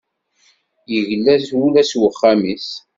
Yegla ula s uxxam-is.